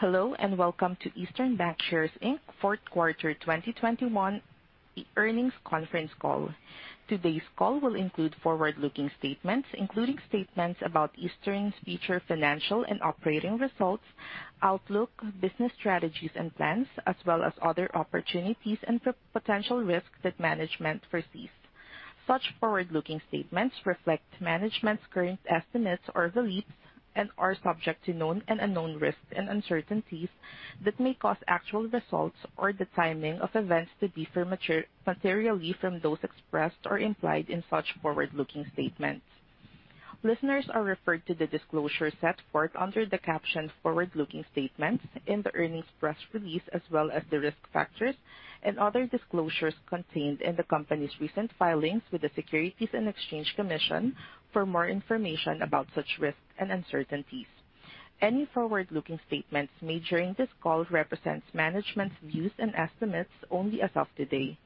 Hello, and welcome to Eastern Bankshares, Inc. fourth quarter 2021 earnings conference call. Today's call will include forward-looking statements, including statements about Eastern's future financial and operating results, outlook, business strategies and plans, as well as other opportunities and potential risks that management foresees. Such forward-looking statements reflect management's current estimates or beliefs and are subject to known and unknown risks and uncertainties that may cause actual results or the timing of events to differ materially from those expressed or implied in such forward-looking statements. Listeners are referred to the disclosures set forth under the caption Forward-Looking Statements in the earnings press release, as well as the risk factors and other disclosures contained in the company's recent filings with the Securities and Exchange Commission for more information about such risks and uncertainties. Any forward-looking statements made during this call represents management's views and estimates only as of today.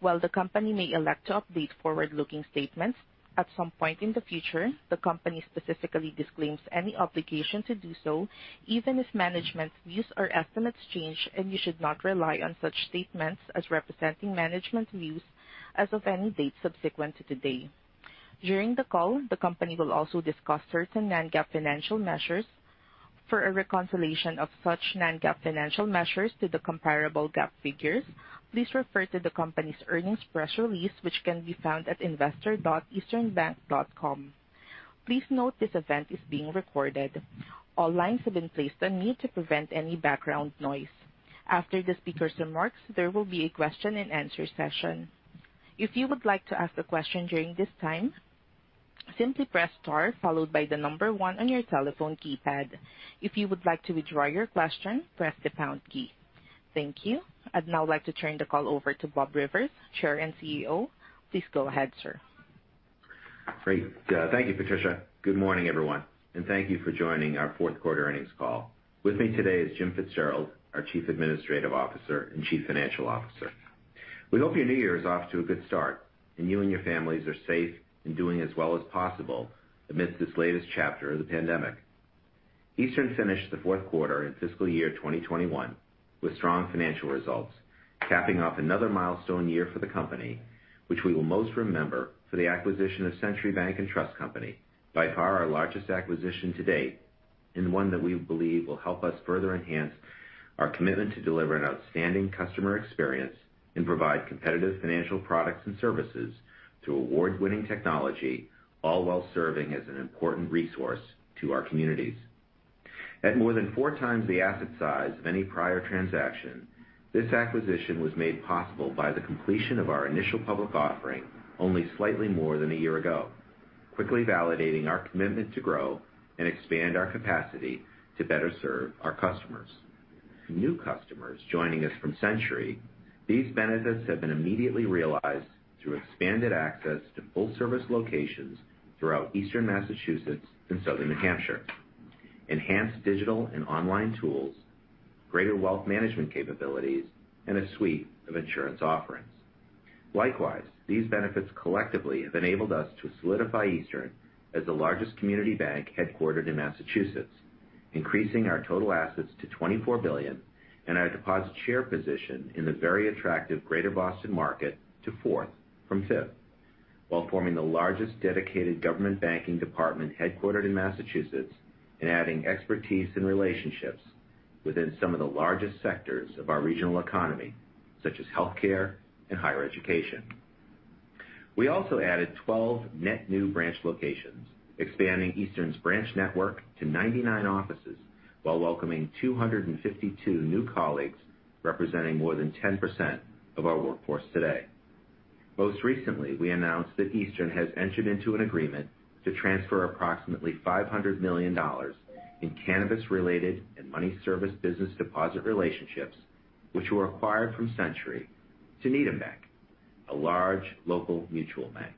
While the company may elect to update forward-looking statements at some point in the future, the company specifically disclaims any obligation to do so, even if management's views or estimates change, and you should not rely on such statements as representing management's views as of any date subsequent to today. During the call, the company will also discuss certain non-GAAP financial measures. For a reconciliation of such non-GAAP financial measures to the comparable GAAP figures, please refer to the company's earnings press release, which can be found at investor.easternbank.com. Please note this event is being recorded. All lines have been placed on mute to prevent any background noise. After the speaker's remarks, there will be a question-and-answer session. If you would like to ask a question during this time, simply press star followed by the number one on your telephone keypad, if you would like to withdraw your question press the pound key. I'd now like to turn the call over to Bob Rivers, Chair and CEO. Please go ahead, sir. Great. Thank you, Patricia. Good morning, everyone, and thank you for joining our fourth quarter earnings call. With me today is Jim Fitzgerald, our Chief Administrative Officer and Chief Financial Officer. We hope your new year is off to a good start and you and your families are safe and doing as well as possible amidst this latest chapter of the pandemic. Eastern finished the fourth quarter in fiscal year 2021 with strong financial results, capping off another milestone year for the company, which we will most remember for the acquisition of Century Bank and Trust Company, by far our largest acquisition to date, and one that we believe will help us further enhance our commitment to deliver an outstanding customer experience and provide competitive financial products and services through award-winning technology, all while serving as an important resource to our communities. At more than four times the asset size of any prior transaction, this acquisition was made possible by the completion of our initial public offering only slightly more than a year ago, quickly validating our commitment to grow and expand our capacity to better serve our customers. For new customers joining us from Century, these benefits have been immediately realized through expanded access to full-service locations throughout eastern Massachusetts and southern New Hampshire, enhanced digital and online tools, greater wealth management capabilities, and a suite of insurance offerings. Likewise, these benefits collectively have enabled us to solidify Eastern as the largest community bank headquartered in Massachusetts, increasing our total assets to $24 billion and our deposit share position in the very attractive greater Boston market to fourth from fifth, while forming the largest dedicated government banking department headquartered in Massachusetts and adding expertise and relationships within some of the largest sectors of our regional economy, such as healthcare and higher education. We also added 12 net new branch locations, expanding Eastern's branch network to 99 offices while welcoming 252 new colleagues, representing more than 10% of our workforce today. Most recently, we announced that Eastern has entered into an agreement to transfer approximately $500 million in cannabis-related and money service business deposit relationships which were acquired from Century to Needham Bank, a large local mutual bank.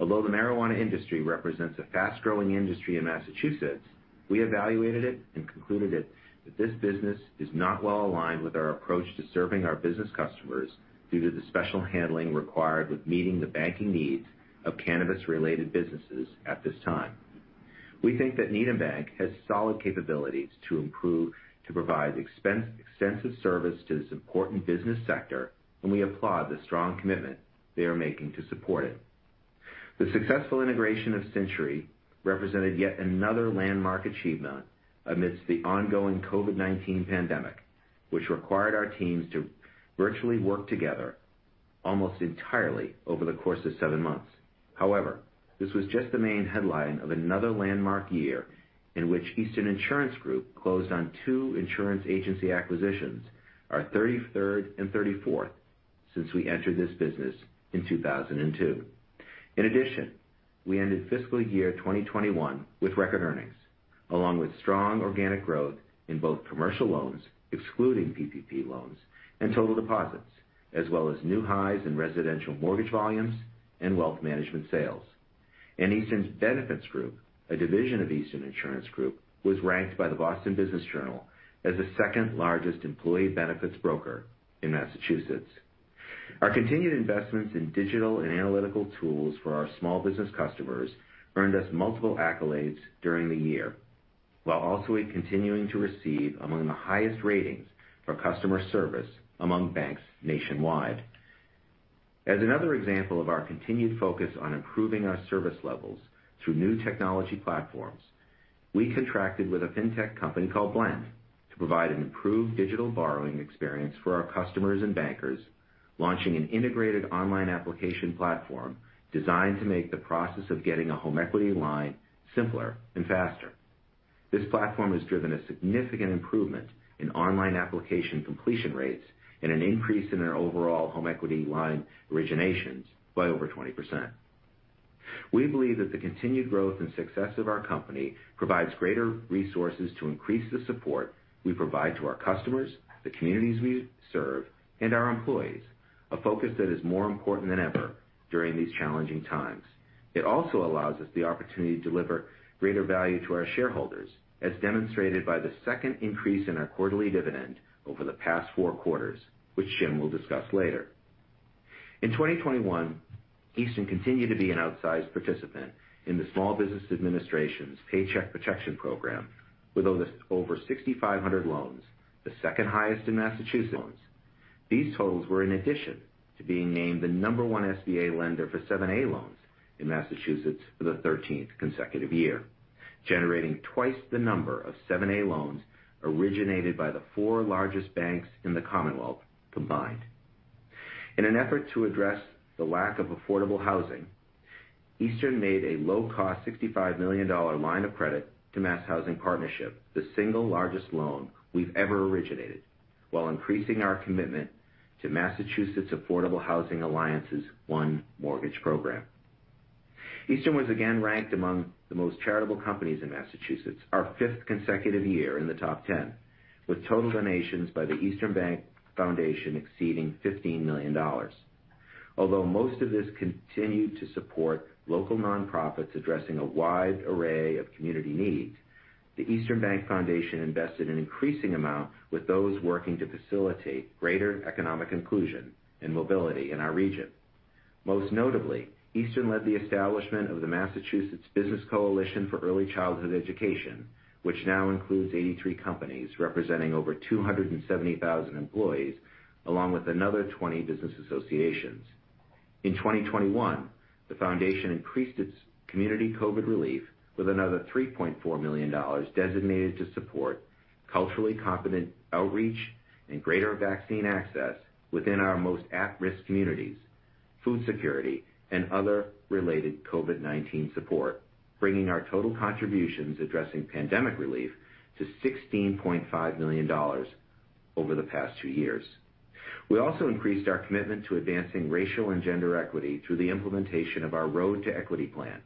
Although the marijuana industry represents a fast-growing industry in Massachusetts, we evaluated it and concluded that this business is not well-aligned with our approach to serving our business customers due to the special handling required with meeting the banking needs of cannabis-related businesses at this time. We think that Needham Bank has solid capabilities to provide extensive service to this important business sector, and we applaud the strong commitment they are making to support it. The successful integration of Century represented yet another landmark achievement amidst the ongoing COVID-19 pandemic, which required our teams to virtually work together almost entirely over the course of 7 months. However, this was just the main headline of another landmark year in which Eastern Insurance Group closed on two insurance agency acquisitions, our 33rd and 34th since we entered this business in 2002. In addition, we ended fiscal year 2021 with record earnings, along with strong organic growth in both commercial loans, excluding PPP loans and total deposits, as well as new highs in residential mortgage volumes and wealth management sales. Eastern Benefits Group, a division of Eastern Insurance Group, was ranked by the Boston Business Journal as the second-largest employee benefits broker in Massachusetts. Our continued investments in digital and analytical tools for our small business customers earned us multiple accolades during the year, while also we're continuing to receive among the highest ratings for customer service among banks nationwide. As another example of our continued focus on improving our service levels through new technology platforms, we contracted with a fintech company called Blend to provide an improved digital borrowing experience for our customers and bankers, launching an integrated online application platform designed to make the process of getting a home equity line simpler and faster. This platform has driven a significant improvement in online application completion rates and an increase in our overall home equity line originations by over 20%. We believe that the continued growth and success of our company provides greater resources to increase the support we provide to our customers, the communities we serve, and our employees. A focus that is more important than ever during these challenging times. It also allows us the opportunity to deliver greater value to our shareholders, as demonstrated by the second increase in our quarterly dividend over the past four quarters, which Jim will discuss later. In 2021, Eastern continued to be an outsized participant in the Small Business Administration's Paycheck Protection Program, with over 6,500 loans, the second highest in Massachusetts. These totals were in addition to being named the number one SBA lender for 7(a) loans in Massachusetts for the 13th consecutive year, generating twice the number of 7(a) loans originated by the four largest banks in the Commonwealth combined. In an effort to address the lack of affordable housing, Eastern made a low-cost $65 million line of credit to Massachusetts Housing Partnership, the single largest loan we've ever originated, while increasing our commitment to Massachusetts Affordable Housing Alliance's ONE Mortgage program. Eastern was again ranked among the most charitable companies in Massachusetts, our fifth consecutive year in the top 10, with total donations by the Eastern Bank Foundation exceeding $15 million. Although most of this continued to support local nonprofits addressing a wide array of community needs, the Eastern Bank Foundation invested an increasing amount with those working to facilitate greater economic inclusion and mobility in our region. Most notably, Eastern led the establishment of the Massachusetts Business Coalition for Early Childhood Education, which now includes 83 companies representing over 270,000 employees, along with another 20 business associations. In 2021, the foundation increased its community COVID relief with another $3.4 million designated to support culturally competent outreach and greater vaccine access within our most at-risk communities, food security, and other related COVID-19 support, bringing our total contributions addressing pandemic relief to $16.5 million over the past 2 years. We also increased our commitment to advancing racial and gender equity through the implementation of our Road to Equity plan,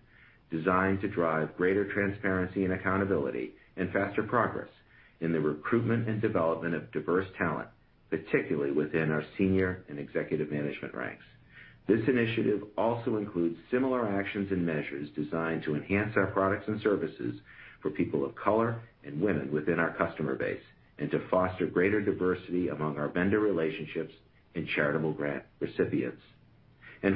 designed to drive greater transparency and accountability and faster progress in the recruitment and development of diverse talent, particularly within our senior and executive management ranks. This initiative also includes similar actions and measures designed to enhance our products and services for people of color and women within our customer base, and to foster greater diversity among our vendor relationships and charitable grant recipients.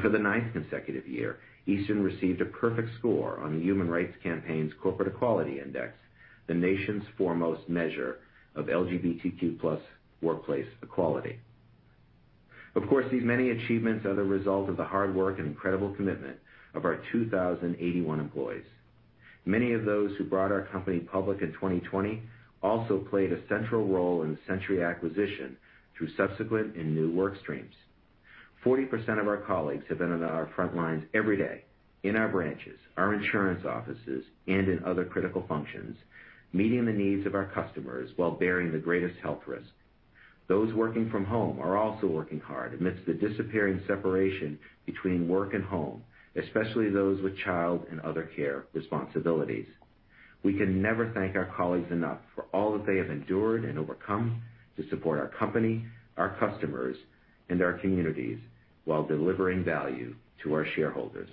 For the ninth consecutive year, Eastern received a perfect score on the Human Rights Campaign's Corporate Equality Index, the nation's foremost measure of LGBTQ+ workplace equality. Of course, these many achievements are the result of the hard work and incredible commitment of our 2,081 employees. Many of those who brought our company public in 2020 also played a central role in the Century acquisition through subsequent and new work streams. 40% of our colleagues have been on our front lines every day in our branches, our insurance offices, and in other critical functions, meeting the needs of our customers while bearing the greatest health risk. Those working from home are also working hard amidst the disappearing separation between work and home, especially those with child and other care responsibilities. We can never thank our colleagues enough for all that they have endured and overcome to support our company, our customers, and our communities while delivering value to our shareholders.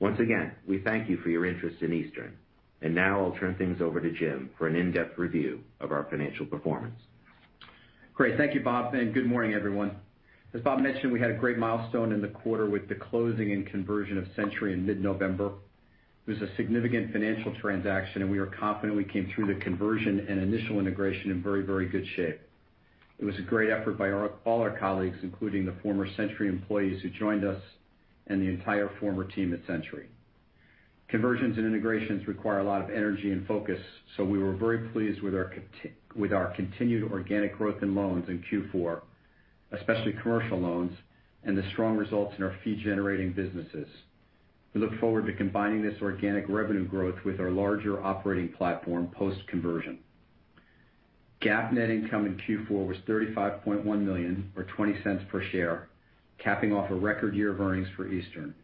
Once again, we thank you for your interest in Eastern. Now I'll turn things over to Jim for an in-depth review of our financial performance. Great. Thank you, Bob, and good morning, everyone. As Bob mentioned, we had a great milestone in the quarter with the closing and conversion of Century in mid-November. It was a significant financial transaction, and we are confident we came through the conversion and initial integration in very, very good shape. It was a great effort by our colleagues, including the former Century employees who joined us and the entire former team at Century. Conversions and integrations require a lot of energy and focus, so we were very pleased with our continued organic growth in loans in Q4, especially commercial loans, and the strong results in our fee-generating businesses. We look forward to combining this organic revenue growth with our larger operating platform post-conversion. GAAP net income in Q4 was $35.1 million or $0.20 per share, capping off a record year of earnings for Eastern.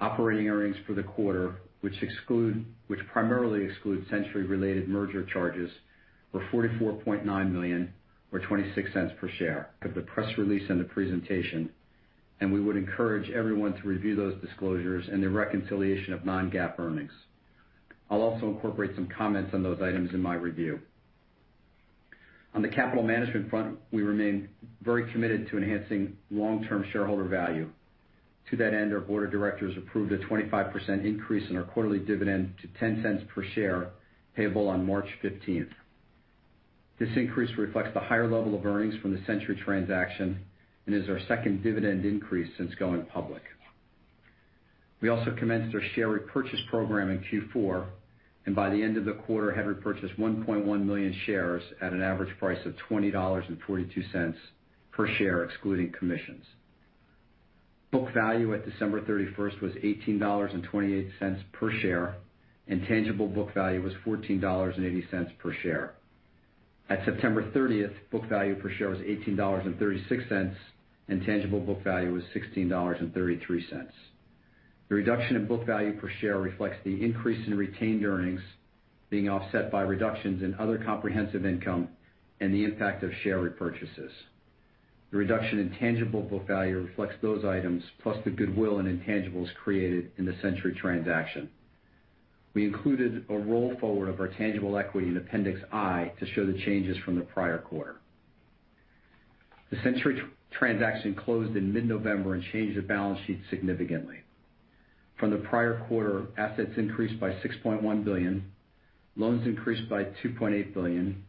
Operating earnings for the quarter, which primarily excludes Century-related merger charges, were $44.9 million or $0.26 per share of the press release and the presentation, and we would encourage everyone to review those disclosures and the reconciliation of non-GAAP earnings. I'll also incorporate some comments on those items in my review. On the capital management front, we remain very committed to enhancing long-term shareholder value. To that end, our board of directors approved a 25% increase in our quarterly dividend to $0.10 per share, payable on March 15. This increase reflects the higher level of earnings from the Century transaction and is our second dividend increase since going public. We also commenced our share repurchase program in Q4, and by the end of the quarter, had repurchased 1.1 million shares at an average price of $20.42 per share, excluding commissions. Book value at December 31 was $18.28 per share, and tangible book value was $14.80 per share. At September 30, book value per share was $18.36, and tangible book value was $16.33. The reduction in book value per share reflects the increase in retained earnings being offset by reductions in other comprehensive income and the impact of share repurchases. The reduction in tangible book value reflects those items, plus the goodwill and intangibles created in the Century transaction. We included a roll forward of our tangible equity in Appendix I to show the changes from the prior quarter. The Century transaction closed in mid-November and changed the balance sheet significantly. From the prior quarter, assets increased by $6.1 billion, loans increased by $2.8 billion,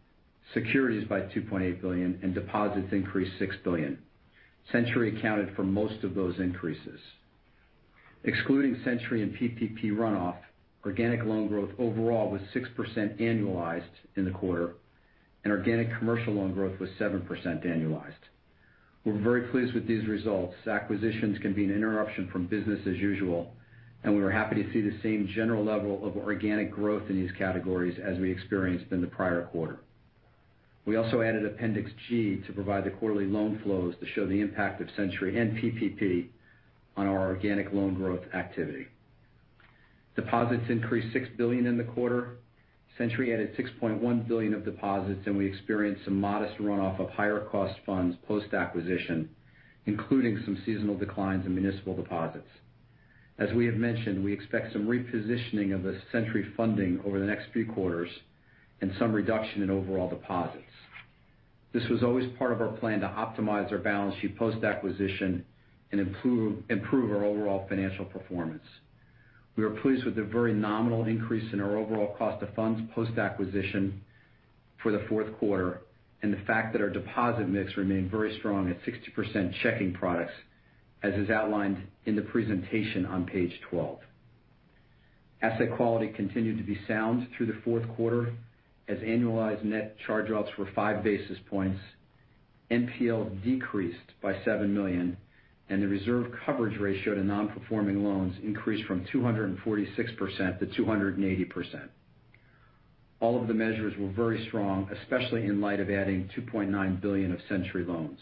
securities by $2.8 billion, and deposits increased $6 billion. Century accounted for most of those increases. Excluding Century and PPP runoff, organic loan growth overall was 6% annualized in the quarter, and organic commercial loan growth was 7% annualized. We're very pleased with these results. Acquisitions can be an interruption from business as usual, and we were happy to see the same general level of organic growth in these categories as we experienced in the prior quarter. We also added Appendix G to provide the quarterly loan flows to show the impact of Century and PPP on our organic loan growth activity. Deposits increased $6 billion in the quarter. Century added $6.1 billion of deposits, and we experienced some modest runoff of higher cost funds post-acquisition, including some seasonal declines in municipal deposits. As we have mentioned, we expect some repositioning of the Century funding over the next few quarters and some reduction in overall deposits. This was always part of our plan to optimize our balance sheet post-acquisition and improve our overall financial performance. We are pleased with the very nominal increase in our overall cost of funds post-acquisition for the fourth quarter and the fact that our deposit mix remained very strong at 60% checking products, as is outlined in the presentation on page 12. Asset quality continued to be sound through the fourth quarter as annualized net charge-offs were 5 basis points. NPL decreased by $7 million, and the reserve coverage ratio to non-performing loans increased from 246% to 280%. All of the measures were very strong, especially in light of adding $2.9 billion of Century loans.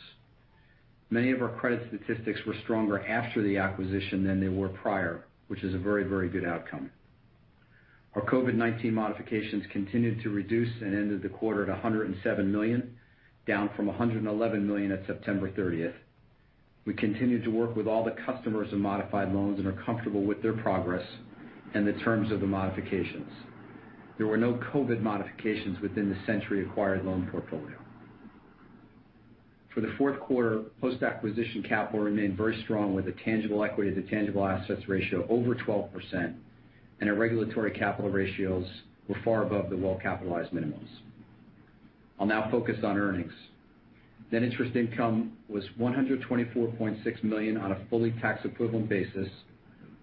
Many of our credit statistics were stronger after the acquisition than they were prior, which is a very, very good outcome. Our COVID-19 modifications continued to reduce and ended the quarter at $107 million, down from $111 million at September 30. We continued to work with all the customers of modified loans and are comfortable with their progress and the terms of the modifications. There were no COVID modifications within the Century acquired loan portfolio. For the fourth quarter, post-acquisition capital remained very strong with a tangible equity to tangible assets ratio over 12% and our regulatory capital ratios were far above the well-capitalized minimums. I'll now focus on earnings. Net interest income was $124.6 million on a fully tax equivalent basis,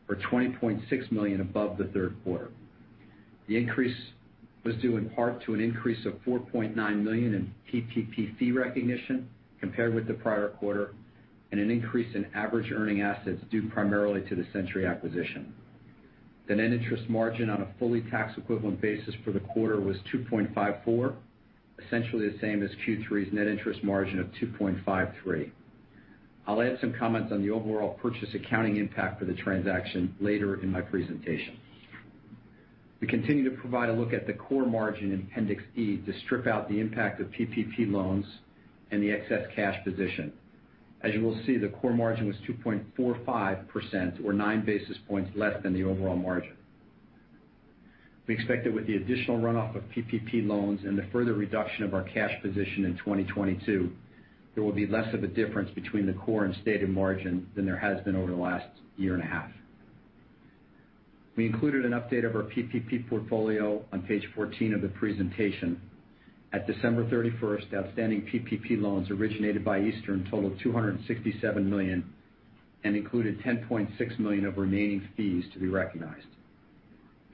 or $20.6 million above the third quarter. The increase was due in part to an increase of $4.9 million in PPP fee recognition compared with the prior quarter and an increase in average earning assets due primarily to the Century acquisition. The net interest margin on a fully tax equivalent basis for the quarter was 2.54%, essentially the same as Q3's net interest margin of 2.53%. I'll add some comments on the overall purchase accounting impact for the transaction later in my presentation. We continue to provide a look at the core margin in Appendix E to strip out the impact of PPP loans and the excess cash position. As you will see, the core margin was 2.45% or 9 basis points less than the overall margin. We expect that with the additional runoff of PPP loans and the further reduction of our cash position in 2022, there will be less of a difference between the core and stated margin than there has been over the last year and a half. We included an update of our PPP portfolio on page 14 of the presentation. At December 31, outstanding PPP loans originated by Eastern totaled $267 million and included $10.6 million of remaining fees to be recognized.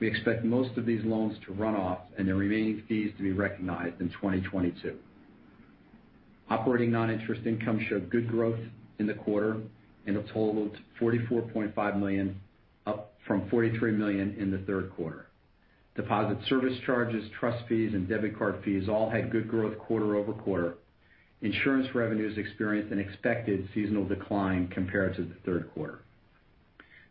We expect most of these loans to run off and the remaining fees to be recognized in 2022. Operating non-interest income showed good growth in the quarter and a total of $44.5 million, up from $43 million in the third quarter. Deposit service charges, trust fees, and debit card fees all had good growth quarter-over-quarter. Insurance revenues experienced an expected seasonal decline compared to the third quarter.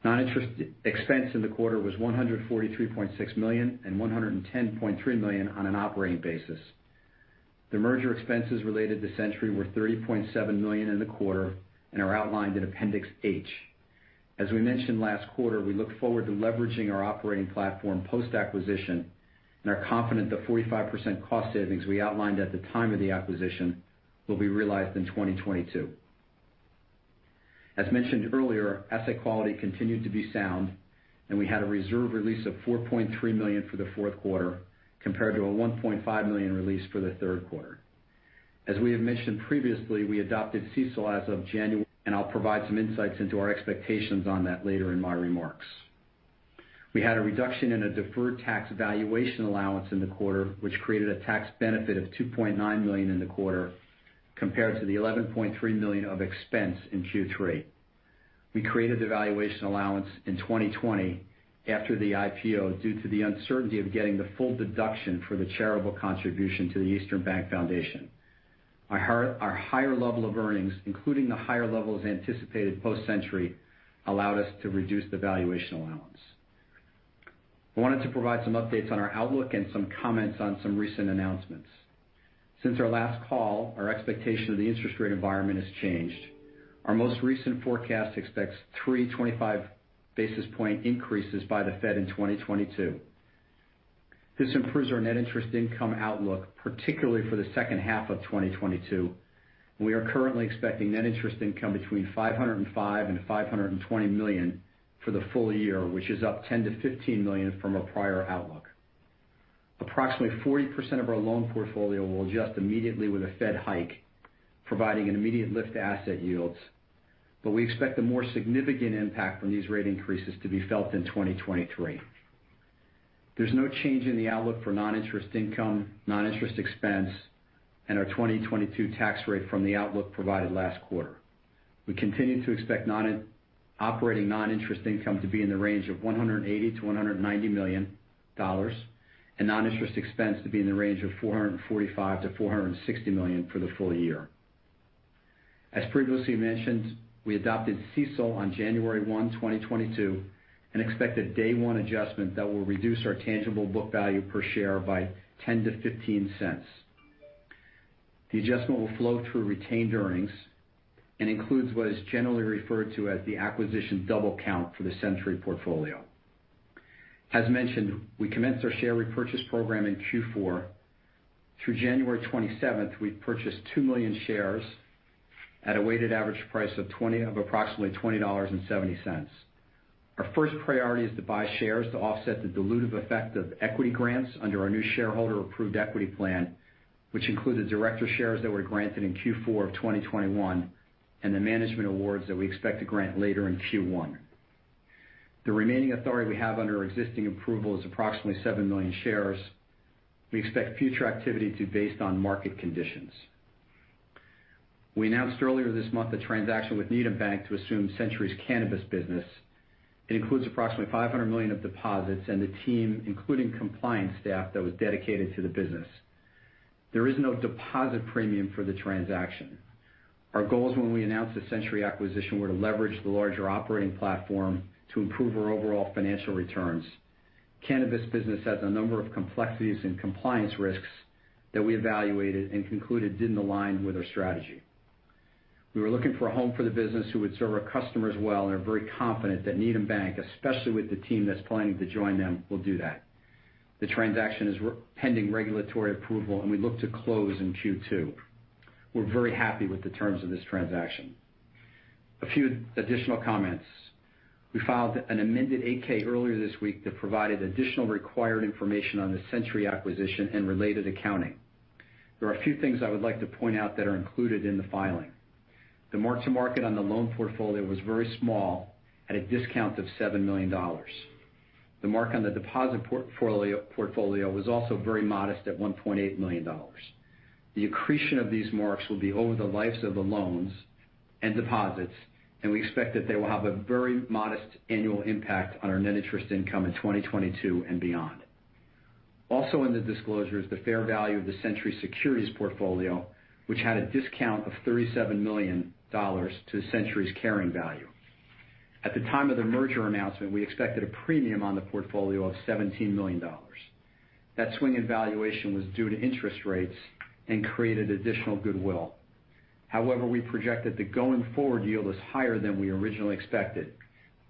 Non-interest expense in the quarter was $143.6 million and $110.3 million on an operating basis. The merger expenses related to Century were $30.7 million in the quarter and are outlined in Appendix H. As we mentioned last quarter, we look forward to leveraging our operating platform post-acquisition and are confident the 45% cost savings we outlined at the time of the acquisition will be realized in 2022. As mentioned earlier, asset quality continued to be sound and we had a reserve release of $4.3 million for the fourth quarter compared to a $1.5 million release for the third quarter. As we have mentioned previously, we adopted CECL as of January, and I'll provide some insights into our expectations on that later in my remarks. We had a reduction in a deferred tax valuation allowance in the quarter, which created a tax benefit of $2.9 million in the quarter compared to the $11.3 million of expense in Q3. We created the valuation allowance in 2020 after the IPO due to the uncertainty of getting the full deduction for the charitable contribution to the Eastern Bank Foundation. Our higher level of earnings, including the higher levels anticipated post-Century, allowed us to reduce the valuation allowance. I wanted to provide some updates on our outlook and some comments on some recent announcements. Since our last call, our expectation of the interest rate environment has changed. Our most recent forecast expects 325 basis point increases by the Fed in 2022. This improves our net interest income outlook, particularly for the second half of 2022. We are currently expecting net interest income between $505 million-$520 million for the full year, which is up $10 million-$15 million from our prior outlook. Approximately 40% of our loan portfolio will adjust immediately with a Fed hike, providing an immediate lift to asset yields. We expect a more significant impact from these rate increases to be felt in 2023. There's no change in the outlook for non-interest income, non-interest expense and our 2022 tax rate from the outlook provided last quarter. We continue to expect operating non-interest income to be in the range of $180 million-$190 million and non-interest expense to be in the range of $445 million-$460 million for the full year. As previously mentioned, we adopted CECL on January 1, 2022, and expect a day one adjustment that will reduce our tangible book value per share by $0.10-$0.15. The adjustment will flow through retained earnings and includes what is generally referred to as the acquisition double count for the Century portfolio. As mentioned, we commenced our share repurchase program in Q4. Through January 27, we've purchased 2 million shares at a weighted average price of approximately $20.70. Our first priority is to buy shares to offset the dilutive effect of equity grants under our new shareholder-approved equity plan, which include the director shares that were granted in Q4 of 2021 and the management awards that we expect to grant later in Q1. The remaining authority we have under our existing approval is approximately 7 million shares. We expect future activity to be based on market conditions. We announced earlier this month a transaction with Needham Bank to assume Century's cannabis business. It includes approximately $500 million of deposits and the team, including compliance staff that was dedicated to the business. There is no deposit premium for the transaction. Our goals when we announced the Century acquisition were to leverage the larger operating platform to improve our overall financial returns. Cannabis business has a number of complexities and compliance risks that we evaluated and concluded didn't align with our strategy. We were looking for a home for the business who would serve our customers well and are very confident that Needham Bank, especially with the team that's planning to join them, will do that. The transaction is pending regulatory approval and we look to close in Q2. We're very happy with the terms of this transaction. A few additional comments. We filed an amended 8-K earlier this week that provided additional required information on the Century acquisition and related accounting. There are a few things I would like to point out that are included in the filing. The mark-to-market on the loan portfolio was very small at a discount of $7 million. The mark on the deposit portfolio was also very modest at $1.8 million. The accretion of these marks will be over the lives of the loans and deposits, and we expect that they will have a very modest annual impact on our net interest income in 2022 and beyond. Also in the disclosure is the fair value of the Century securities portfolio, which had a discount of $37 million to Century's carrying value. At the time of the merger announcement, we expected a premium on the portfolio of $17 million. That swing in valuation was due to interest rates and created additional goodwill. However, we projected the going forward yield is higher than we originally expected.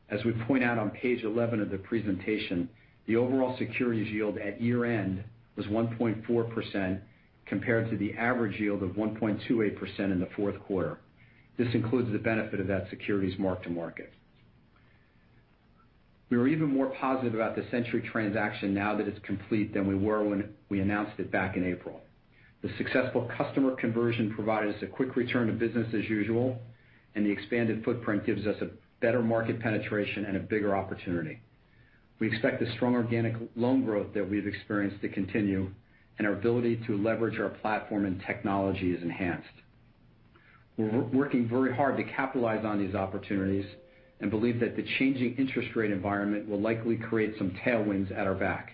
As we point out on page 11 of the presentation, the overall securities yield at year-end was 1.4% compared to the average yield of 1.28% in the fourth quarter. This includes the benefit of that securities mark-to-market. We are even more positive about the Century transaction now that it's complete than we were when we announced it back in April. The successful customer conversion provided us a quick return to business as usual, and the expanded footprint gives us a better market penetration and a bigger opportunity. We expect the strong organic loan growth that we've experienced to continue, and our ability to leverage our platform and technology is enhanced. We're working very hard to capitalize on these opportunities and believe that the changing interest rate environment will likely create some tailwinds at our back.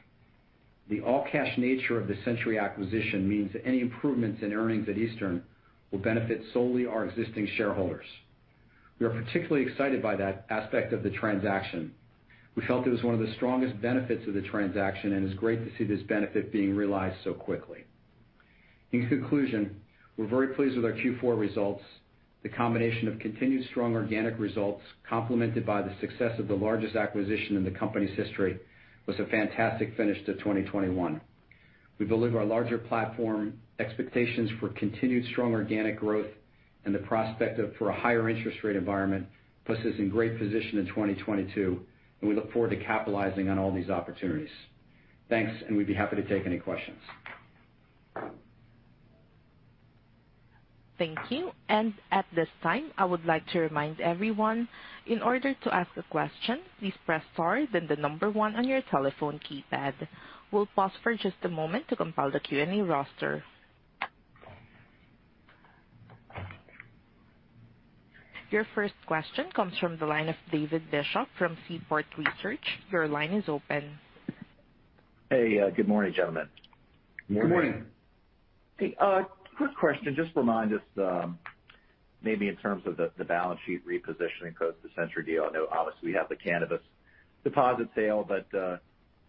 The all-cash nature of the Century acquisition means any improvements in earnings at Eastern will benefit solely our existing shareholders. We are particularly excited by that aspect of the transaction. We felt it was one of the strongest benefits of the transaction, and it's great to see this benefit being realized so quickly. In conclusion, we're very pleased with our Q4 results. The combination of continued strong organic results complemented by the success of the largest acquisition in the company's history was a fantastic finish to 2021. We believe our larger platform expectations for continued strong organic growth and the prospect for a higher interest rate environment puts us in great position in 2022, and we look forward to capitalizing on all these opportunities. Thanks, and we'd be happy to take any questions. Thank you. At this time, I would like to remind everyone, in order to ask a question, please press star then 1 on your telephone keypad. We'll pause for just a moment to compile the Q&A roster. Your first question comes from the line of David Bishop from Seaport Research. Your line is open. Hey, good morning, gentlemen. Good morning. Good morning. Hey. Quick question. Just remind us, maybe in terms of the balance sheet repositioning post the Century deal. I know obviously we have the cannabis deposit sale, but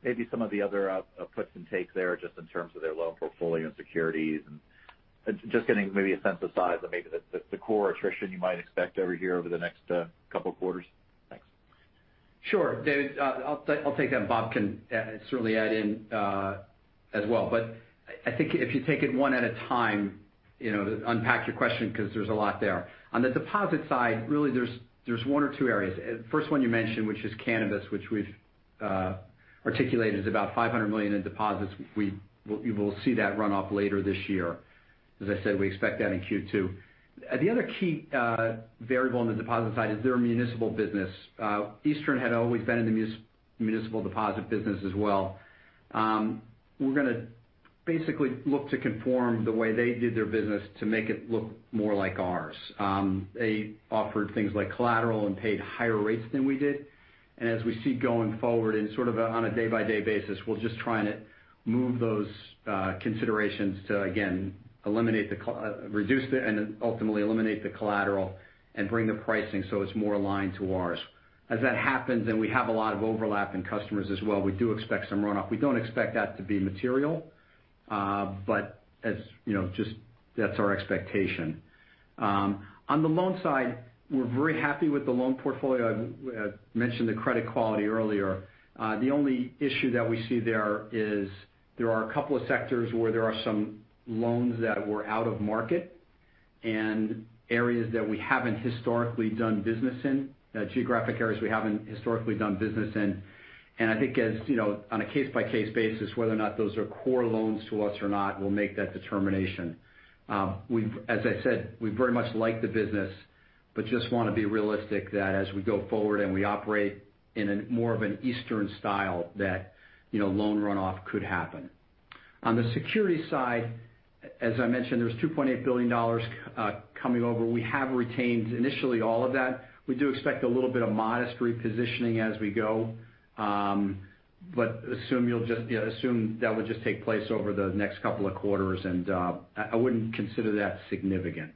maybe some of the other puts and takes there just in terms of their loan portfolio and securities and just getting maybe a sense of size and maybe the core attrition you might expect over here over the next couple quarters. Thanks. Sure. David, I'll take that. Bob can certainly add in as well. I think if you take it one at a time, you know, unpack your question 'cause there's a lot there. On the deposit side, really there's one or two areas. First one you mentioned, which is cannabis, which we've articulated is about $500 million in deposits. You will see that run off later this year. As I said, we expect that in Q2. The other key variable on the deposit side is their municipal business. Eastern had always been in the municipal deposit business as well. We're gonna basically look to conform the way they did their business to make it look more like ours. They offered things like collateral and paid higher rates than we did. As we see going forward and sort of on a day-by-day basis, we're just trying to move those considerations to, again, reduce the, and ultimately eliminate the collateral and bring the pricing so it's more aligned to ours. As that happens, and we have a lot of overlap in customers as well, we do expect some runoff. We don't expect that to be material, but as, you know, just that's our expectation. On the loan side, we're very happy with the loan portfolio. I've mentioned the credit quality earlier. The only issue that we see there is there are a couple of sectors where there are some loans that were out of market and areas that we haven't historically done business in, geographic areas we haven't historically done business in. I think as, you know, on a case-by-case basis, whether or not those are core loans to us or not, we'll make that determination. As I said, we very much like the business, but just wanna be realistic that as we go forward and we operate in a more of an Eastern style that, you know, loan runoff could happen. On the security side, as I mentioned, there's $2.8 billion coming over. We have retained initially all of that. We do expect a little bit of modest repositioning as we go, but assume that would just take place over the next couple of quarters, and I wouldn't consider that significant.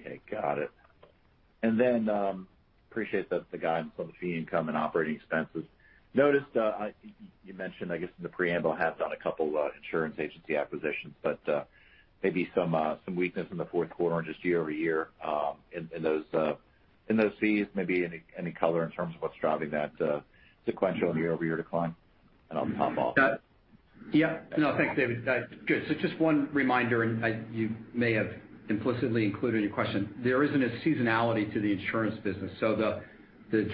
Okay. Got it. Appreciate the guidance on the fee income and operating expenses. I noticed you mentioned, I guess in the preamble, have done a couple insurance agency acquisitions, but maybe some weakness in the fourth quarter and just year-over-year in those fees. Maybe any color in terms of what's driving that sequential and year-over-year decline? I'll hop off. Yeah. No, thanks, David. That's good. So just one reminder, you may have implicitly included in your question. There isn't a seasonality to the insurance business. So the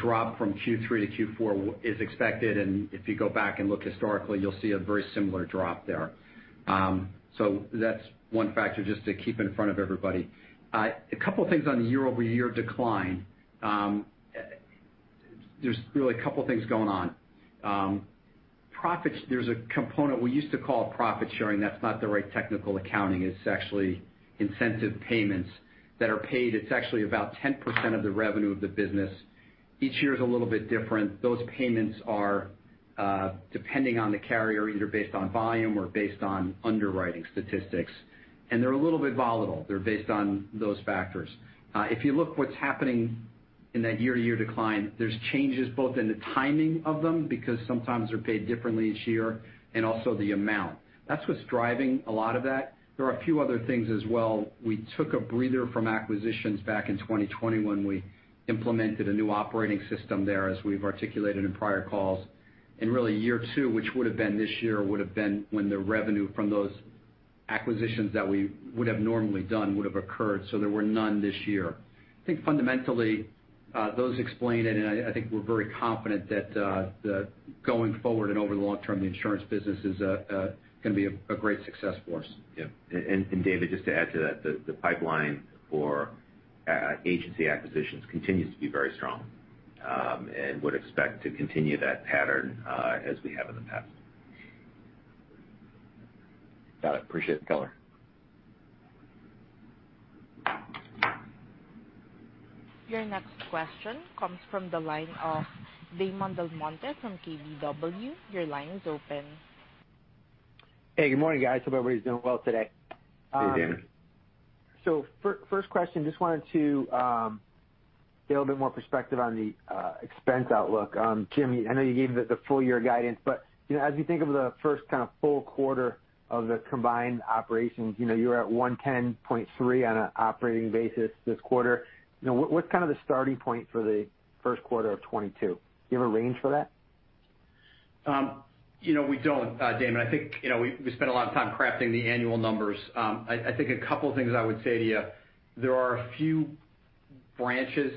drop from Q3 to Q4 is expected. If you go back and look historically, you'll see a very similar drop there. So that's one factor just to keep in front of everybody. A couple things on the year-over-year decline. There's really a couple things going on. Profits, there's a component we used to call profit sharing. That's not the right technical accounting. It's actually incentive payments that are paid. It's actually about 10% of the revenue of the business. Each year is a little bit different. Those payments are, depending on the carrier, either based on volume or based on underwriting statistics. They're a little bit volatile. They're based on those factors. If you look what's happening in that year-to-year decline, there's changes both in the timing of them because sometimes they're paid differently each year and also the amount. That's what's driving a lot of that. There are a few other things as well. We took a breather from acquisitions back in 2020 when we implemented a new operating system there, as we've articulated in prior calls. In really year two, which would have been this year, would have been when the revenue from those acquisitions that we would have normally done would have occurred. So there were none this year. I think fundamentally, those explain it, and I think we're very confident that, going forward and over the long term, the insurance business is gonna be a great success for us. Yeah. David, just to add to that, the pipeline for agency acquisitions continues to be very strong, and would expect to continue that pattern, as we have in the past. Got it. Appreciate the color. Your next question comes from the line of Damon DelMonte from KBW. Your line is open. Hey, good morning, guys. Hope everybody's doing well today. Hey, Damon. First question, just wanted to get a little bit more perspective on the expense outlook. Jim, I know you gave the full year guidance, but you know, as you think of the first kind of full quarter of the combined operations, you know, you were at $110.3 million on an operating basis this quarter. You know, what's kind of the starting point for the first quarter of 2022? Do you have a range for that? You know, we don't, Damon. I think, you know, we spent a lot of time crafting the annual numbers. I think a couple of things I would say to you. There are a few branches,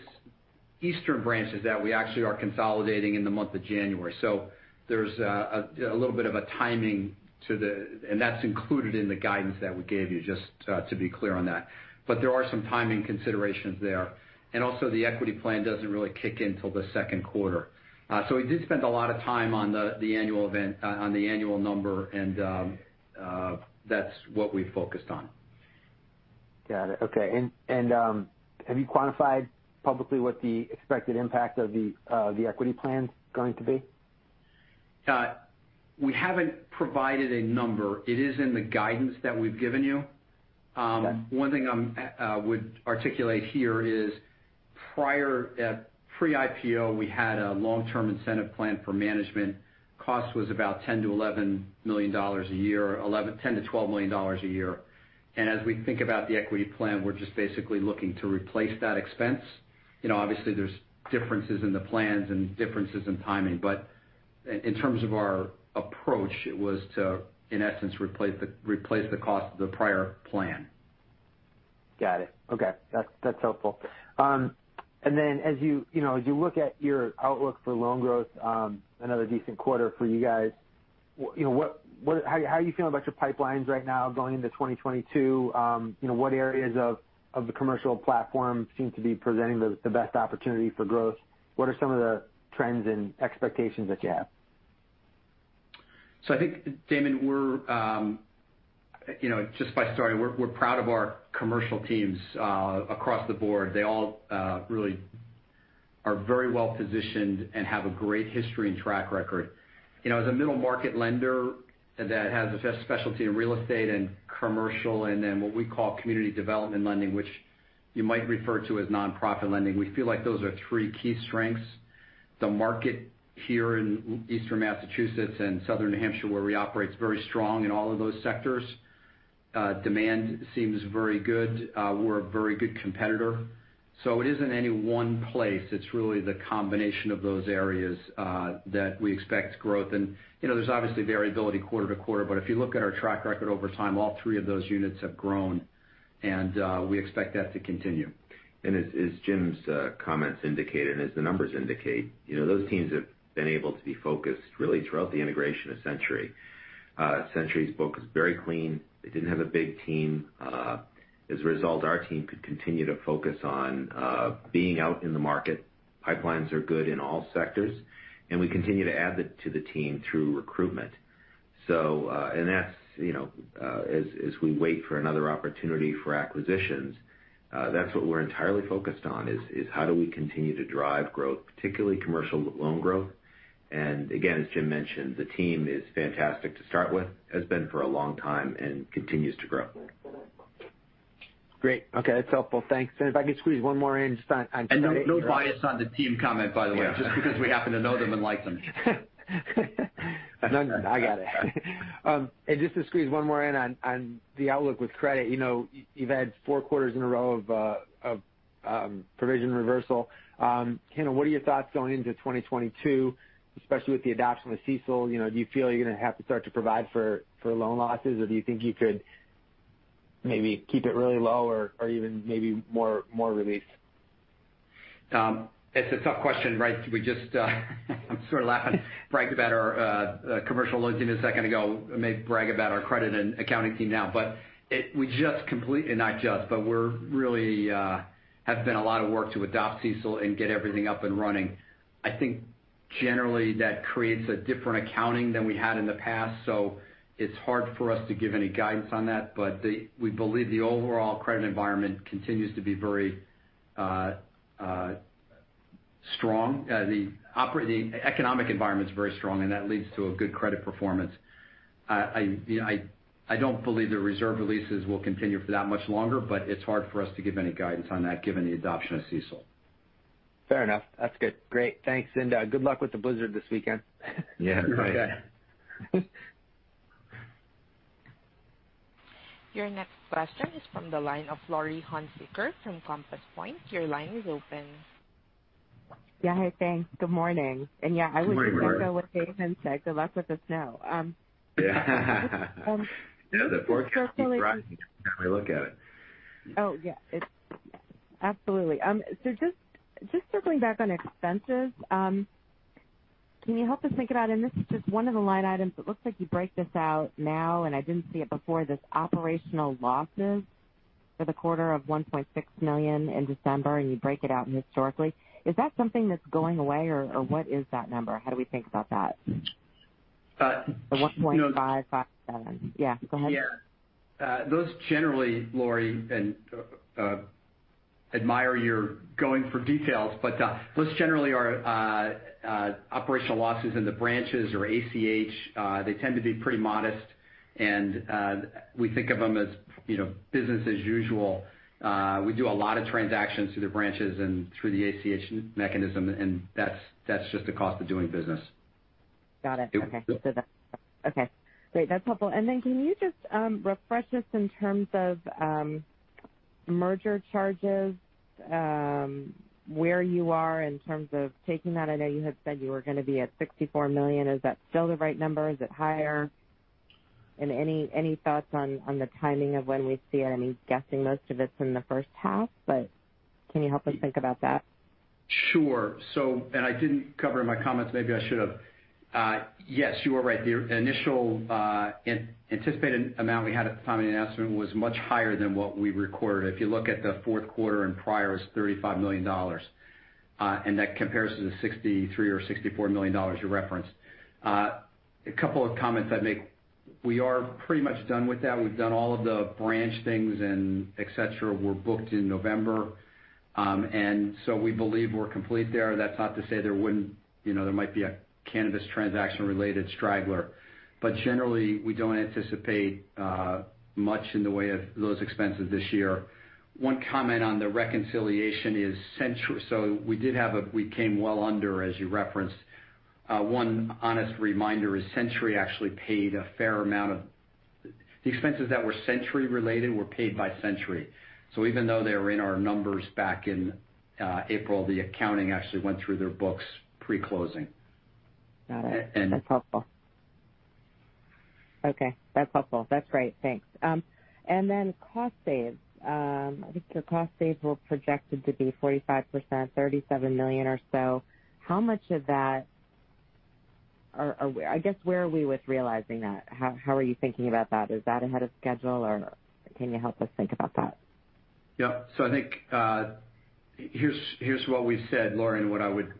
Eastern branches that we actually are consolidating in the month of January. So there's a little bit of a timing to the, and that's included in the guidance that we gave you, just to be clear on that. But there are some timing considerations there. And also, the equity plan doesn't really kick in till the second quarter. So we did spend a lot of time on the annual number and that's what we focused on. Got it. Okay. Have you quantified publicly what the expected impact of the equity plan's going to be? We haven't provided a number. It is in the guidance that we've given you. Okay. One thing I would articulate here is prior to pre-IPO, we had a long-term incentive plan for management. Cost was about $10-$11 million a year, $10-$12 million a year. As we think about the equity plan, we're just basically looking to replace that expense. You know, obviously there's differences in the plans and differences in timing. In terms of our approach, it was to, in essence, replace the cost of the prior plan. Got it. Okay. That's helpful. As you know, as you look at your outlook for loan growth, another decent quarter for you guys. You know, how are you feeling about your pipelines right now going into 2022? You know, what areas of the commercial platform seem to be presenting the best opportunity for growth? What are some of the trends and expectations that you have? I think, Damon, we're just by starting, we're proud of our commercial teams across the board. They all really are very well-positioned and have a great history and track record. You know, as a middle market lender that has a specialty in real estate and commercial and then what we call community development lending, which you might refer to as nonprofit lending, we feel like those are three key strengths. The market here in Eastern Massachusetts and Southern New Hampshire, where we operate, is very strong in all of those sectors. Demand seems very good. We're a very good competitor. It isn't any one place. It's really the combination of those areas that we expect growth. You know, there's obviously variability quarter to quarter, but if you look at our track record over time, all three of those units have grown, and we expect that to continue. As Jim's comments indicate, and as the numbers indicate, you know, those teams have been able to be focused really throughout the integration of Century. Century's book is very clean. They didn't have a big team. As a result, our team could continue to focus on being out in the market. Pipelines are good in all sectors, and we continue to add to the team through recruitment. That's, you know, as we wait for another opportunity for acquisitions, that's what we're entirely focused on is how do we continue to drive growth, particularly commercial loan growth. Again, as Jim mentioned, the team is fantastic to start with. Has been for a long time and continues to grow. Great. Okay. That's helpful. Thanks. If I could squeeze one more in just on credit. No, no bias on the team comment, by the way. Yeah. Just because we happen to know them and like them. No, I got it. Just to squeeze one more in on the outlook with credit. You know, you've had four quarters in a row of provision reversal. What are your thoughts going into 2022, especially with the adoption of CECL? You know, do you feel you're gonna have to start to provide for loan losses, or do you think you could maybe keep it really low or even maybe more relief? It's a tough question, right? I'm sort of laughing. We bragged about our commercial loan team a second ago. We may brag about our credit and accounting team now. We really have done a lot of work to adopt CECL and get everything up and running. I think generally that creates a different accounting than we had in the past, so it's hard for us to give any guidance on that. We believe the overall credit environment continues to be very strong. The economic environment's very strong, and that leads to a good credit performance. You know, I don't believe the reserve releases will continue for that much longer, but it's hard for us to give any guidance on that given the adoption of CECL. Fair enough. That's good. Great. Thanks. Good luck with the blizzard this weekend. Yeah, right. Okay. Your next question is from the line of Laurie Hunsicker from Compass Point. Your line is open. Yeah. Hey, thanks. Good morning. Good morning, Laurie. I was with Damon said good luck with the snow. Yeah, the forecast keeps rising every time I look at it. Oh, yeah. It's absolutely. Just circling back on expenses, can you help us think about, and this is just one of the line items, but looks like you break this out now, and I didn't see it before, this operational losses for the quarter of $1.6 million in December, and you break it out historically. Is that something that's going away, or what is that number? How do we think about that? Uh- The one point five five seven. No. Yeah, go ahead. Yeah. Those generally, Laurie, and I admire you going for details, are operational losses in the branches or ACH. They tend to be pretty modest. We think of them as, you know, business as usual. We do a lot of transactions through the branches and through the ACH mechanism, and that's just the cost of doing business. Got it. Okay. Great. That's helpful. Can you just refresh us in terms of merger charges, where you are in terms of taking that? I know you had said you were gonna be at $64 million. Is that still the right number? Is it higher? Any thoughts on the timing of when we'd see any? Guessing most of it's in the first half, but can you help us think about that? Sure. I didn't cover in my comments, maybe I should have. Yes, you are right. The initial anticipated amount we had at the time of the announcement was much higher than what we recorded. If you look at the fourth quarter and prior is $35 million, and that compares to the $63 million or $64 million you referenced. A couple of comments I'd make. We are pretty much done with that. We've done all of the branch things and et cetera were booked in November. We believe we're complete there. That's not to say there wouldn't there might be a cannabis transaction-related straggler. Generally, we don't anticipate much in the way of those expenses this year. One comment on the reconciliation is Century. We came well under, as you referenced. The expenses that were Century related were paid by Century. Even though they were in our numbers back in April, the accounting actually went through their books pre-closing. Got it. And- That's helpful. Okay, that's helpful. That's great. Thanks. Cost saves. I think the cost saves were projected to be 45%, $37 million or so. How much of that are we? I guess, where are we with realizing that? How are you thinking about that? Is that ahead of schedule, or can you help us think about that? I think, here's what we said, Laurie, what I would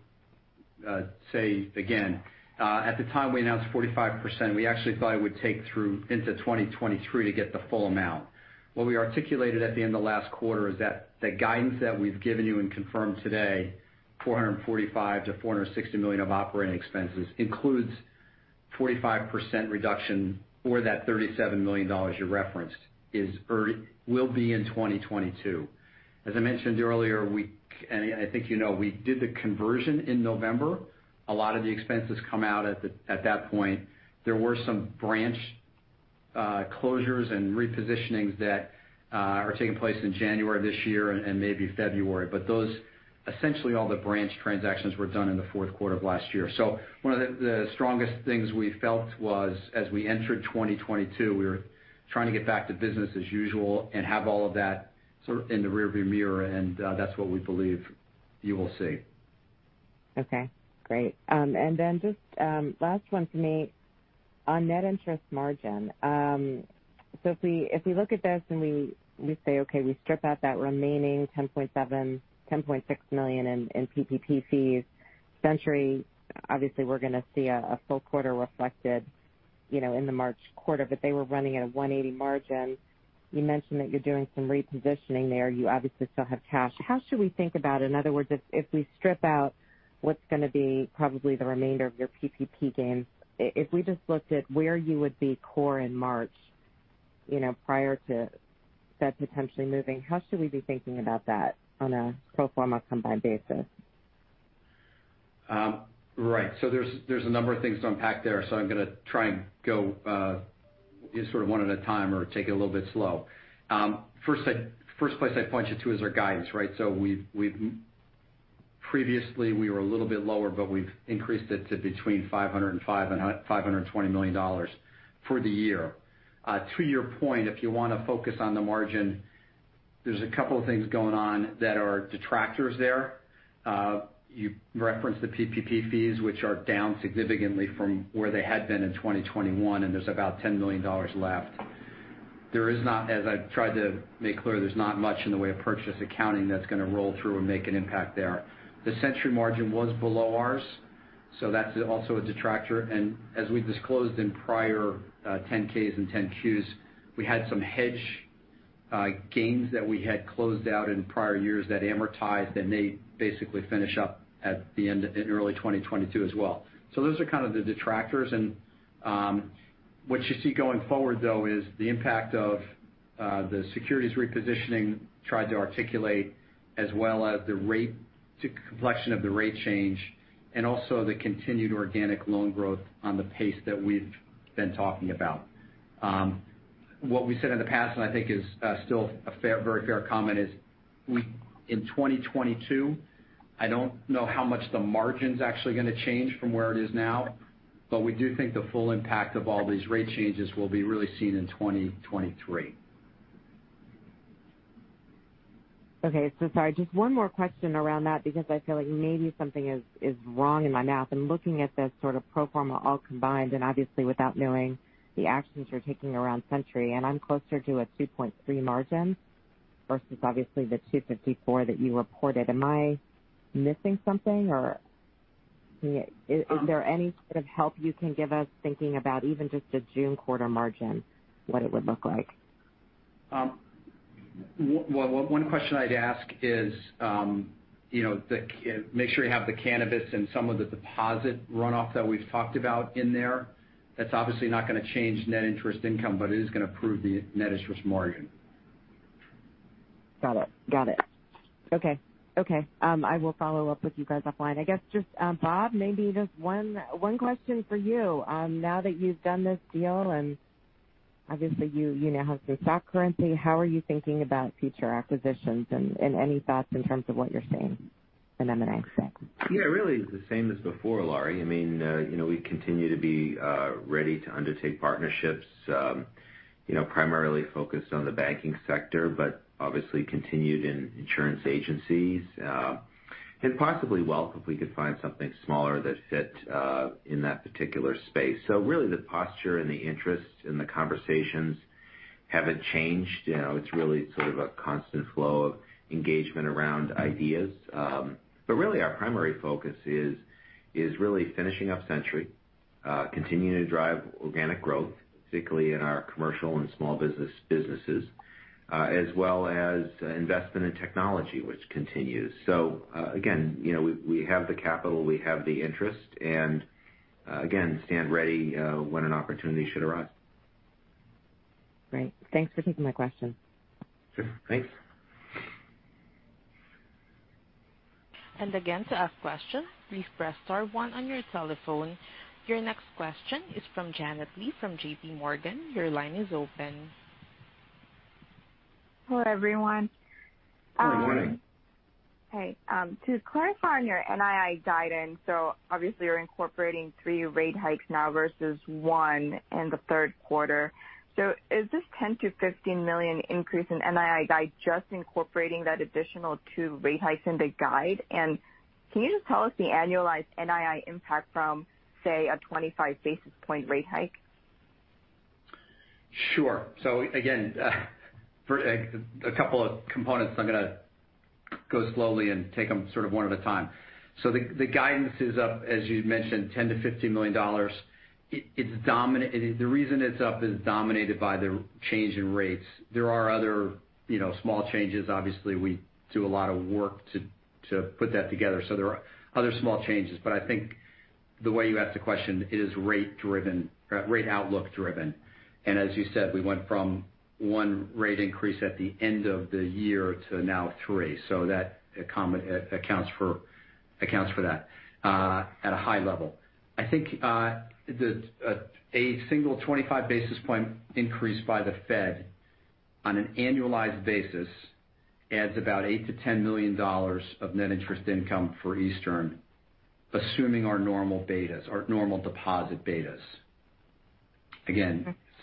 say again. At the time we announced 45%, we actually thought it would take through into 2023 to get the full amount. What we articulated at the end of last quarter is that the guidance that we've given you and confirmed today, $445 million-$460 million of operating expenses includes 45% reduction for that $37 million you referenced will be in 2022. As I mentioned earlier, I think you know we did the conversion in November. A lot of the expenses come out at that point. There were some branch closures and repositionings that are taking place in January this year and maybe February. Those, essentially all the branch transactions were done in the fourth quarter of last year. One of the strongest things we felt was, as we entered 2022, we were trying to get back to business as usual and have all of that sort of in the rear view mirror, and that's what we believe you will see. Okay, great. Just last one for me. On net interest margin. So if we look at this and we say, okay, we strip out that remaining $10.7, $10.6 million in PPP fees. Century, obviously, we're gonna see a full quarter reflected, you know, in the March quarter, but they were running at a 1.80 margin. You mentioned that you're doing some repositioning there. You obviously still have cash. How should we think about it? In other words, if we strip out what's gonna be probably the remainder of your PPP gains. If we just looked at where you would be core in March, you know, prior to that potentially moving, how should we be thinking about that on a pro forma combined basis? Right. There's a number of things to unpack there. I'm gonna try and go sort of one at a time or take it a little bit slow. First place I'd point you to is our guidance, right? Previously, we were a little bit lower, but we've increased it to between $505 million and $520 million for the year. To your point, if you wanna focus on the margin, there's a couple of things going on that are detractors there. You referenced the PPP fees, which are down significantly from where they had been in 2021, and there's about $10 million left. There is not, as I've tried to make clear, there's not much in the way of purchase accounting that's gonna roll through and make an impact there. The Century margin was below ours, so that's also a detractor. As we disclosed in prior 10-Ks and 10-Qs, we had some hedge gains that we had closed out in prior years that amortized, and they basically finish up in early 2022 as well. Those are kind of the detractors. What you see going forward, though, is the impact of the securities repositioning I tried to articulate as well as the rate and complexion of the rate change and also the continued organic loan growth on the pace that we've been talking about. What we said in the past and I think is still a very fair comment is in 2022, I don't know how much the margin's actually gonna change from where it is now, but we do think the full impact of all these rate changes will be really seen in 2023. Okay. Sorry, just one more question around that because I feel like maybe something is wrong in my math. I'm looking at this sort of pro forma all combined and obviously without knowing the actions you're taking around Century, and I'm closer to a 2.3% margin versus obviously the 2.54% that you reported. Am I missing something, or is there any sort of help you can give us thinking about even just the June quarter margin, what it would look like? One question I'd ask is, you know, make sure you have the cannabis and some of the deposit runoff that we've talked about in there. That's obviously not going to change net interest income, but it is going to improve the net interest margin. Got it. Okay. I will follow up with you guys offline. I guess just, Bob, maybe just one question for you. Now that you've done this deal, and obviously you now have some stock currency, how are you thinking about future acquisitions and any thoughts in terms of what you're seeing in M&A space? Yeah, really the same as before, Laurie. I mean, you know, we continue to be ready to undertake partnerships, you know, primarily focused on the banking sector, but obviously continued in insurance agencies, and possibly wealth, if we could find something smaller that fit in that particular space. Really the posture and the interest and the conversations haven't changed. You know, it's really sort of a constant flow of engagement around ideas. Really our primary focus is really finishing up Century, continuing to drive organic growth, particularly in our commercial and small business businesses, as well as investment in technology, which continues. Again, you know, we have the capital, we have the interest, and again, stand ready when an opportunity should arise. Great. Thanks for taking my question. Sure. Thanks. Again, to ask questions, please press star one on your telephone. Your next question is from Janet Lee from JPMorgan. Your line is open. Hello, everyone. Good morning. Hey, to clarify on your NII guidance, so obviously you're incorporating 3 rate hikes now versus 1 in the third quarter. Is this $10 million-$15 million increase in NII guide just incorporating that additional 2 rate hikes in the guide? Can you just tell us the annualized NII impact from, say, a 25 basis point rate hike? Sure. Again, for a couple of components, I'm going to go slowly and take them sort of one at a time. The guidance is up, as you mentioned, $10 million-$15 million. The reason it's up is dominated by the change in rates. There are other, you know, small changes. Obviously, we do a lot of work to put that together. There are other small changes. But I think the way you asked the question is rate driven, rate outlook driven. As you said, we went from one rate increase at the end of the year to now three. That accounts for that at a high level. I think a single 25 basis point increase by the Fed on an annualized basis adds about $8 million-$10 million of net interest income for Eastern, assuming our normal betas, our normal deposit betas.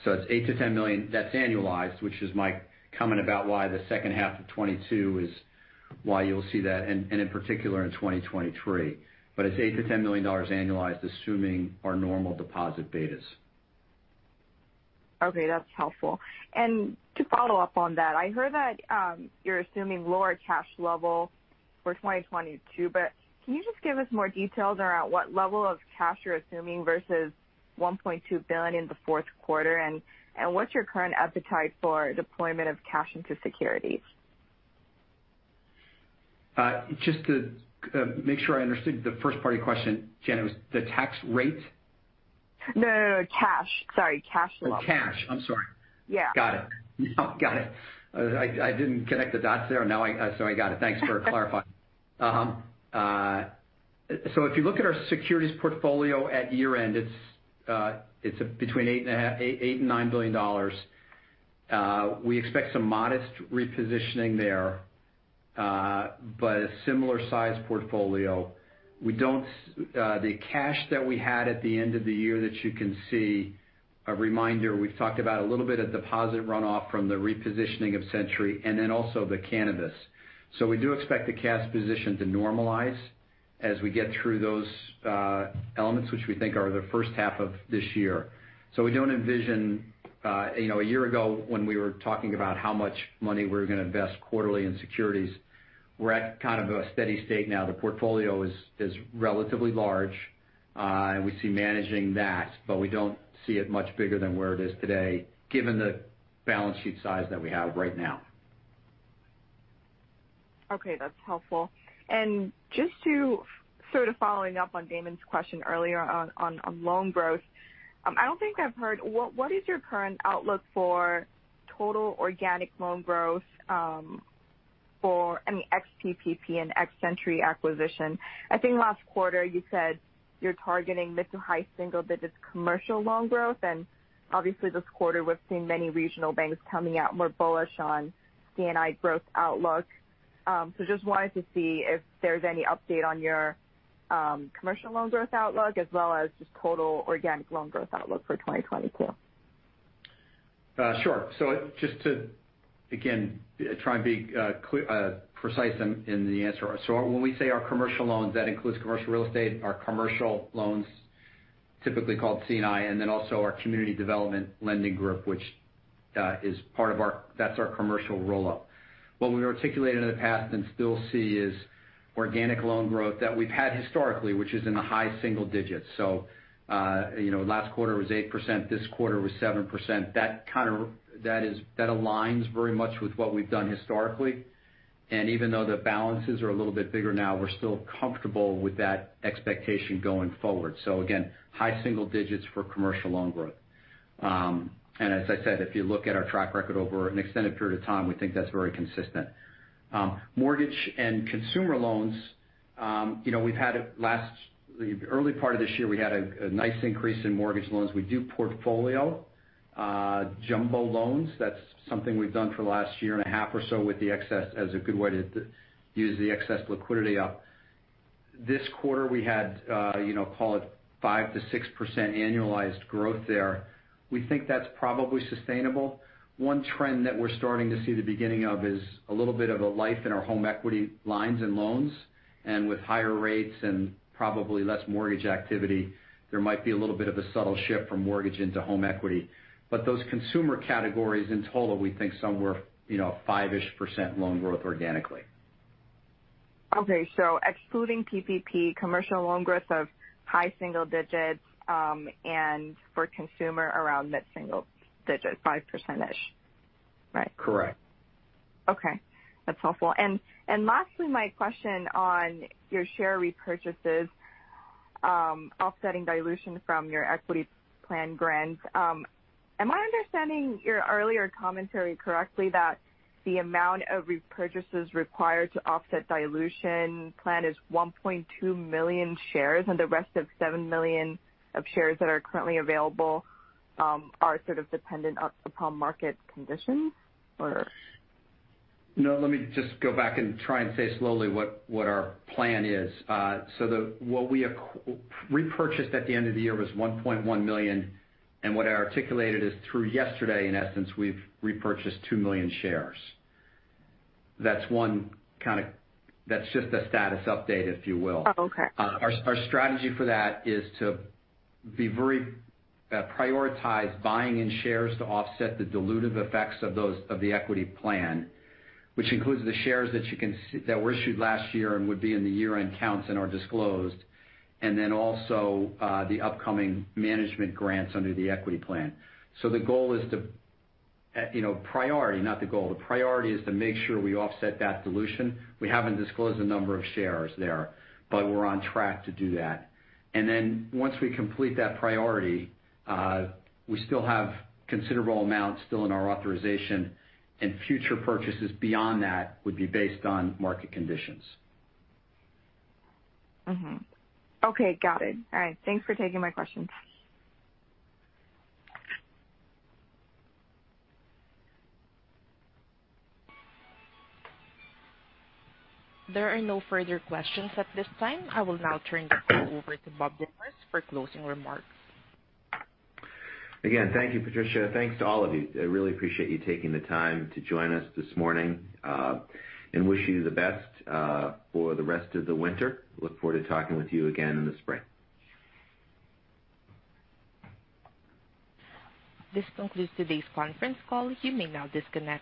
Okay. It's $8 million-$10 million. That's annualized, which is my comment about why the second half of 2022 is why you'll see that and in particular in 2023. It's $8 million-$10 million annualized, assuming our normal deposit betas. Okay, that's helpful. To follow up on that, I heard that you're assuming lower cash level for 2022, but can you just give us more details around what level of cash you're assuming versus $1.2 billion in the fourth quarter? And what's your current appetite for deployment of cash into securities? Just to make sure I understood the first part of your question, Janet, was the tax rate? No, cash. Sorry, cash level. Oh, cash. I'm sorry. Yeah. Got it. I didn't connect the dots there. Now I got it. Thanks for clarifying. If you look at our securities portfolio at year-end, it's between $8.5 billion and $9 billion. We expect some modest repositioning there, but a similar size portfolio. The cash that we had at the end of the year that you can see, a reminder, we've talked about a little bit of deposit runoff from the repositioning of Century and then also the cannabis. We do expect the cash position to normalize as we get through those elements, which we think are the first half of this year. We don't envision, you know, a year ago when we were talking about how much money we were going to invest quarterly in securities. We're at kind of a steady state now. The portfolio is relatively large, and we see managing that, but we don't see it much bigger than where it is today, given the balance sheet size that we have right now. Okay, that's helpful. Just to sort of follow up on Damon's question earlier on loan growth. I don't think I've heard what your current outlook is for total organic loan growth for, I mean, ex-PPP and ex-Century acquisition. I think last quarter you said you're targeting mid- to high-single-digits commercial loan growth. Obviously this quarter, we've seen many regional banks coming out more bullish on C&I growth outlook. So just wanted to see if there's any update on your commercial loan growth outlook as well as just total organic loan growth outlook for 2022. Sure. Just to again try and be clear, precise in the answer. When we say our commercial loans, that includes commercial real estate, our commercial loans typically called C&I, and then also our community development lending group, which is part of our. That's our commercial roll-up. What we've articulated in the past and still see is organic loan growth that we've had historically, which is in the high single digits. You know, last quarter was 8%, this quarter was 7%. That aligns very much with what we've done historically. Even though the balances are a little bit bigger now, we're still comfortable with that expectation going forward. Again, high single digits for commercial loan growth. As I said, if you look at our track record over an extended period of time, we think that's very consistent. Mortgage and consumer loans, you know, the early part of this year, we had a nice increase in mortgage loans. We do portfolio jumbo loans. That's something we've done for the last year and a half or so with the excess as a good way to use the excess liquidity up. This quarter we had, you know, call it 5%-6% annualized growth there. We think that's probably sustainable. One trend that we're starting to see the beginning of is a little bit of a life in our home equity lines and loans. With higher rates and probably less mortgage activity, there might be a little bit of a subtle shift from mortgage into home equity. Those consumer categories in total, we think somewhere, you know, 5%-ish loan growth organically. Okay. Excluding PPP, commercial loan growth of high single digits, and for consumer around mid-single digits, 5%-ish. Right? Correct. Okay, that's helpful. Lastly, my question on your share repurchases, offsetting dilution from your equity plan grants. Am I understanding your earlier commentary correctly that the amount of repurchases required to offset dilution plan is 1.2 million shares and the rest of 7 million shares that are currently available are sort of dependent upon market conditions? No, let me just go back and try and say slowly what our plan is. What we repurchased at the end of the year was 1.1 million, and what I articulated is through yesterday, in essence, we've repurchased 2 million shares. That's one kind of status update, if you will. Oh, okay. Our strategy for that is to be very prioritize buying in shares to offset the dilutive effects of those of the equity plan, which includes the shares that were issued last year and would be in the year-end counts and are disclosed, and then also the upcoming management grants under the equity plan. The goal is to priority, not the goal. The priority is to make sure we offset that dilution. We haven't disclosed the number of shares there, but we're on track to do that. Once we complete that priority, we still have considerable amounts in our authorization and future purchases beyond that would be based on market conditions. Mm-hmm. Okay, got it. All right. Thanks for taking my questions. There are no further questions at this time. I will now turn the call over to Bob Rivers for closing remarks. Again, thank you, Patricia. Thanks to all of you. I really appreciate you taking the time to join us this morning, and wish you the best for the rest of the winter. I look forward to talking with you again in the spring. This concludes today's conference call. You may now disconnect.